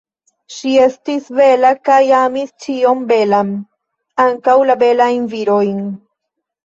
Ŝi estis bela kaj amis ĉion belan, ankaŭ la belajn virojn.